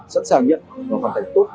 sẵn sàng nhận và hoàn thành tốt